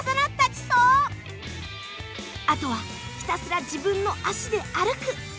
あとはひたすら自分の足で歩く。